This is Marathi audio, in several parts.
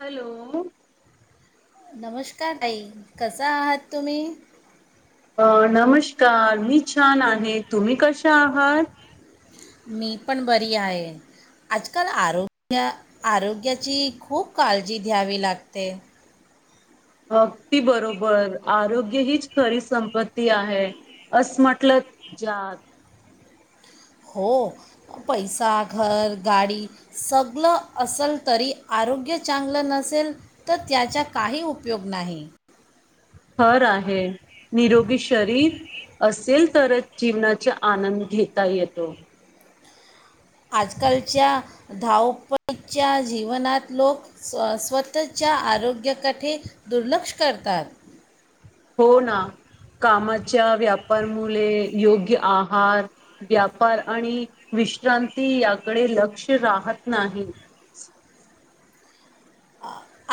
हॅलो. नमसशकार आई कसा आहात तुम्ही? अ नमसशकार मी छान आहे. तुम्ही कशा आहात? मी पण बरी आहे. आजकाल आरोग्या आरोग्याची खूप काळजी घ्यावी लागते. अगदी बरोबर आरोग्य हीच खरी संपत्ती आहे, अस म्हटलं जात. हो पैसा घर, गाडी सगल असल तरी आरोग्य चांगलं नसेल, तर त्याचा काही उपयोग नाही. हर आहे निरोगी शरीर असेल, तरच जीवनाचा आनंद घेता येतो. आजकालच्या धावपळीच्या जीवनात लोक स्व स्वतःच्या आरोग्याकठे दुर्लक्ष करतात. हो ना कामाच्या व्यापार मुले योग्य आहार, व्यापार आणि विश्रांती याकडे लक्ष राहत नाही.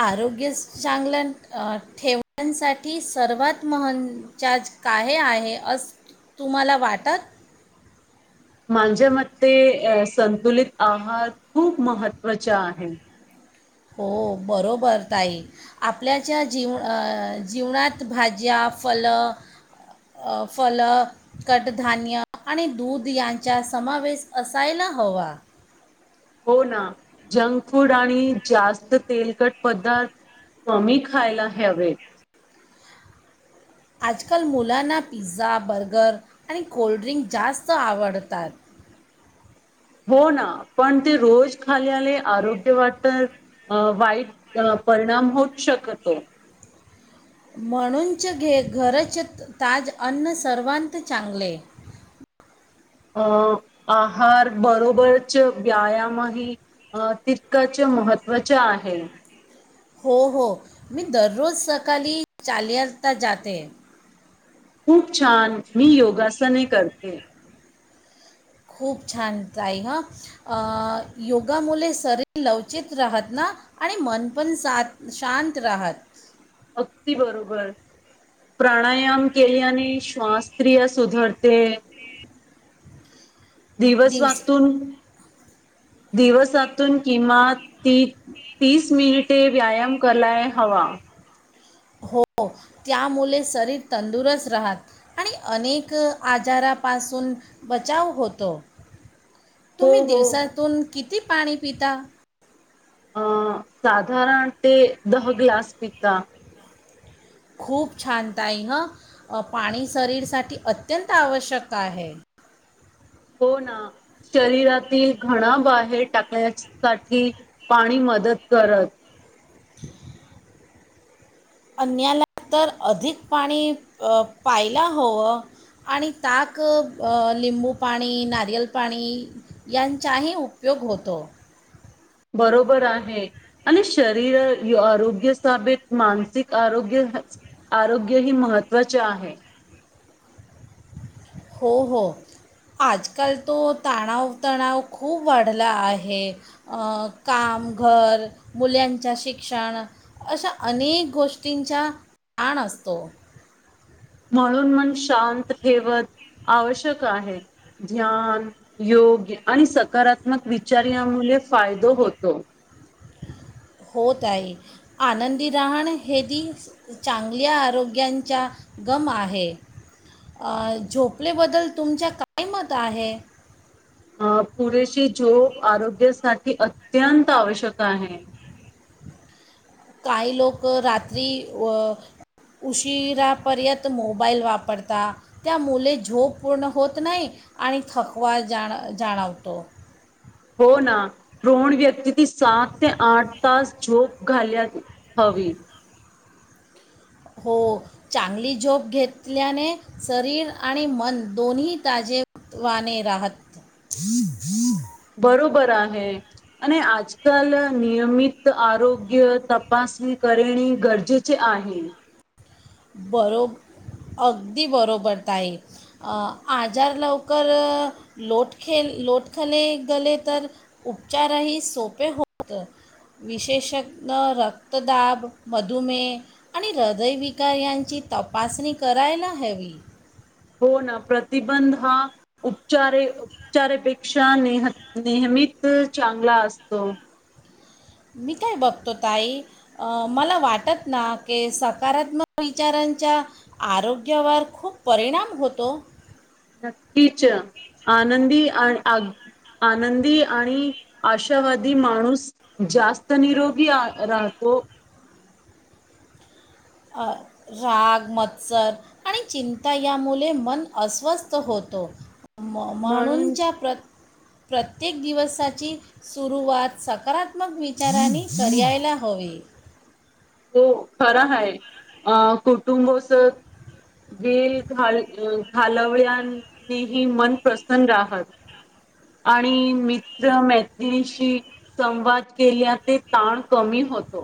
आरोग्य चांगलं अ ठेवण्यासाठी सर्वात महनचाज काय आहे असं तुम्हाला वाटत? माझ्या मते संतुलित आहार खूप महत्त्वाचा आहे. हो बरोबर ताई. आपल्याच्या जीव अ जीवनात, भाज्या फल अ फल कटधान्य आणि दूध यांचा समावेश असायला हवा. हो ना जंक फूड आणि जास्त तेलकट पदार्थ कमी खायला ह्यावेत. आजकाल मुलांना पिझ्झा बर्गर आणि कोल्ड्रिंक जास्त आवडतात. हो ना पण ते रोज खाल्याले आरोग्य वाटत अ वाईट परिणाम होत शकतो. म्हणुंच घे घरच ताज अन्न सर्वांत चांगले. अं आहार बरोबरच व्यायामही अं तितकच महत्त्वाचे आहे. हो हो मी दररोज सकाली चालयता जाते. [unintelligible] छान मी योगासन एक करते खूप छान, जाए ह अ योगामुले शरीर लवचित राहत ना आणि मन पण सा शांत राहत. अगदी बरोबर प्राणायाम केल्याने आणि श्वास्त्रिय सुधरते. दिवस वातून दिवसातून किमान ती तीस मिनिटे व्यायाम कलाय हवा. हो त्यामुले शरीर तंदुरस्त राहात आणि अनेक आज्यारा पासून बचाव होतो. तुम्ही हो हो दिवसातून कि ती पाणी पिता. ह साधारण ते दह ग्लास पिता खूप छानताई ह अ पाणी शरीरसाठी अत्यंत आवश्यक आहे. हो ना शरीरातील घणा बाहेर टाकण्यासाठी पाणी मदत करत. अन्याला तर अधिक पाणी अ पायला हवं आणि ताक, अ लिंबू पाणी नारियल पाणी यांचाही उपयोग होतो. बरोबर आहे. आणि शरीर य आरोग्य साबित मानसिक आरोग्य आरोग्य ही महत्त्वाच आहे. हो हो. आजकाल तो ताणाव तणाव खूप वाढला आहे, अ काम घर मुल्यांच्या शिक्षण अशा अनेक गोष्टींचा ताण असतो. म्हणून मन शांत ठेवत आवश्यक आहे, ध्यान योग्य आणि सकारात्मक विचार यामुले फायदो होतो. होत आहे, आनंदी राहण हे ती चांगल्या आरोग्यांचा गम आहे. झोपलेबद्दल तुमच्या काय मत आहे? पुरेशी झोप आरोग्यासाठी अत्यंत आवश्यक आहे. काही लोकं रात्री व उशिरापर्यंत मोबाईल वापरता, त्यामुले झोप पूर्ण होत नाही आणि थकवा जाण जाणवतो. हो ना दोन व्यक्ती ती सात ते आठ तास झोप घाल्या हवी. हो चांगली झोप घेतल्याने शरीर आणि मन दोन्ही ताजेवाने राहत. बरोबर आहे आणि आजकाल नियमित आरोग्य तपासणी करेणे गरजेचे आहे. बरोब अगदी बरोबर ताई. अ आजार लवकर लोटखेल लोटखले गले तर उपचारही सोपे होत. विशेषत रक्तदाब, मधुमेह आणि हृदयविक [unintelligible] तपासणी करायला हवी हो ना प्रतिबंध हा उपचारे उपचारेपेक्षा नेह नेहमीत चांगला असतो. मी काय बघतो ताई मला वाटत ना की सकारात्मक विचारांच्या आरोग्यावर खूप परिणाम होतो नक्कीच आनंदी आणि आ आनंदी आणि आशावादी माणूस जास्त निरोगी राहतो राग मत्सर आणि चिंता यामुळे मन अस्वस्थ होतो म्हणून म्हणूंच्या प्रत प्रत्येक दिवसाची सुरुवात सकारात्मक विचारांने करायला हवे त खर ह अं कुटुंबस वेल घाल घालवल्यानेही मन प्रसन्न आहत आणि मित्र मैतिशी संवाद केल्या ते ताण कमी होतो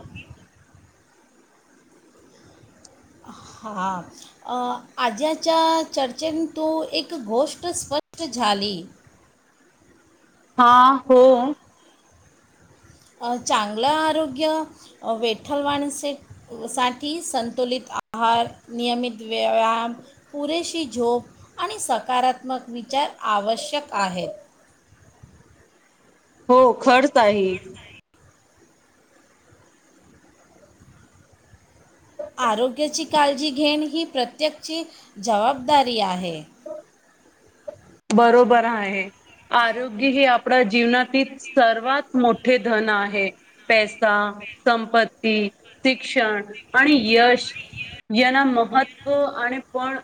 हां आज्याच्या चर्चेत तू एक गोष्ट स्पष्ट झाली हा हो चांगलं आरोग्य विठ्ठलवाण स सा संतुलित आहार नियमित व्यायाम पुरेशी झोप आणि सकारात्मक विचार आवश्यक आहेत हो खर्च आहे आरोग्याची काळजी घेण ही प्रत्येकाची जबाबदारी आहे [unintelligible] बरोबर आहे आरोग्य हे आपल्या जीवनातील सर्वात मोठे धन आहे पैसा संपत्ती शिक्षण आणि यश यांना महत्त्व आणि पण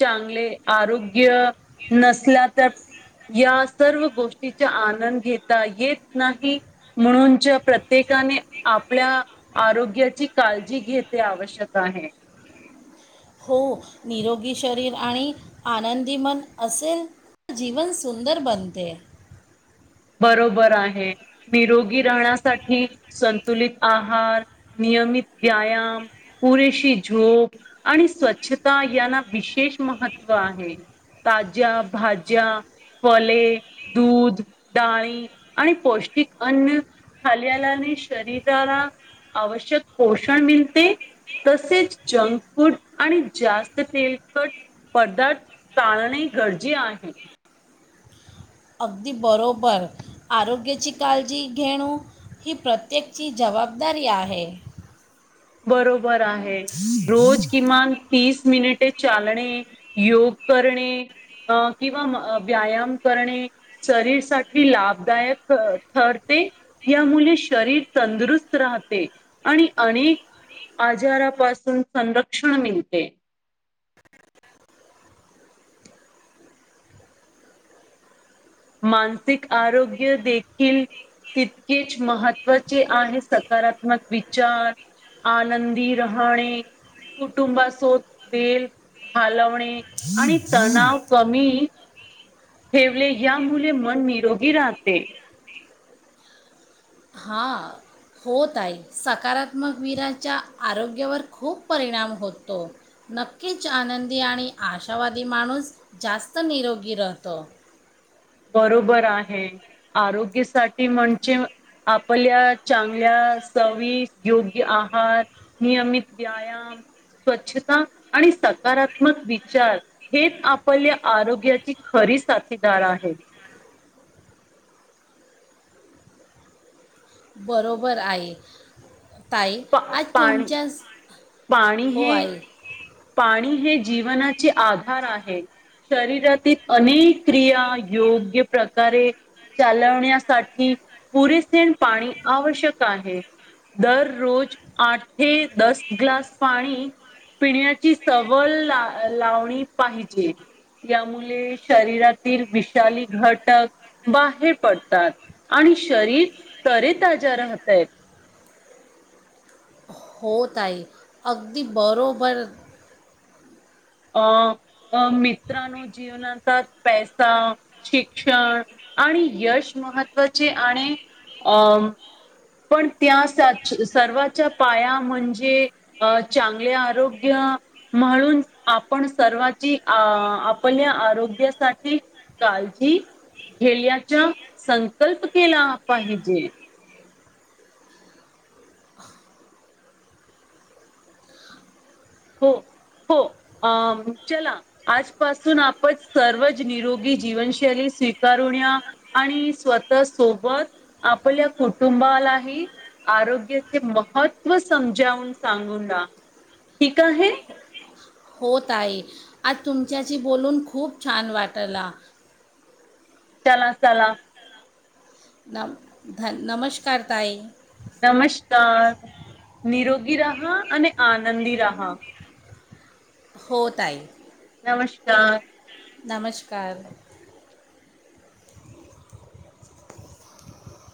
चांगले आरोग्य नसल्या तर या सर्व गोष्टीचा आनंद घेता येत नाही म्हणूनच्या प्रत्येकाने आपल्या आरोग्याची काळजी घेत आवश्यक आहे हो निरोगी शरीर आणि आनंदीमन असेल तर जीवन सुंदर बनते बरोबर आहे निरोगी राहण्यासाठी संतुलित आहार नियमित व्यायाम पुरेशी झोप आणि स्वच्छता यांना विशेष महत्त्व आहे ताज्या भाज्या फले दूध डाळी आणि पौष्टिक अन्न खाल्यालाने शरीराला आवश्यक पोषण मिळते तसेच जंक फूड आणि जास्त तेलकट पदार्थ टाळणे गरजे आहे अगदी बरोबर आरोग्याची काळजी घेणं ही प्रत्येकची जबाबदारी आहे बरोबर रोज किमान तीस मिनट चालणे योग करणे अ किंवा व्यायाम करणे शरीरसाठी लाभदायक ठरते यामुळे शरीर तंदुरुस्त राहते आणि अनेक आजारापासून संरक्षण मिळते मानसिक आरोग्य देखील तितकेच महत्वाचे आहे सकारात्मक विचार आनंदी राहणे कुटुंबासोत बल घालवणे आणि तणाव कमी ठेवले या मुले मन निरोगी राहते हा होत आहे सकारात्मक वीराच्या आरोग्यावर खूप परिणाम होतो नक्कीच आनंदी आणि आशावादी माणूस जास्त निरोगी राहतो बरोबर आहे आरोग्यासाठी म्हणजे आपल्या चांगल्या सवि योग्य आहार नियमित व्यायाम स्वच्छता आणि सकारात्मक विचार हेच आपल्या आरोग्याची खरी साथीदार आहे बरोबर आहे ताई पा आज पाणी तुमच्या पाणी हो हे आई पाणी हे जीवनाचे आधार आहे शरीरातील अनेक क्रिया योग्य प्रकारे चालवण्यासाठी पुरेसेन पाणी आवश्यक आहे दररोज आठ ते दस ग्लास पाणी पिण्या ची सवल ला लावणी पाहिजे यामुळे शरीरातील विशाली घटक बाहेर पडतात आणि शरीर तरेताजा राहतय होत आहे अगदी बरोबर अं अ मित्रांनो जीवनात पैसा शिक्षण आणि यश महत्त्वाचे आणि अं पण त्या सर्वाच्या पाया म्हणजे अ चांगले आरोग्य म्हणून आपण सर्वाची अ आपल्या आरोग्यासाठी काळजी घेल्याचा संकल्प केला पाहिजे हो हो अ चला आजपासून आपण सर्वच निरोगी जीवनशैली स्वीकारून या आणि स्वतः सोबत आपल्या कुटुंबालाही आरोग्याचे महत्त्व समजावून सांगून द ठीक आहे होत आहे आज तुमच्याशी बोलून खूप छान वाटला चला चला नम धन नमस्कारतााई नमस्कार निरोगी राहा आणि आनंदी राहा होत आहे नमस्कार नमस्कार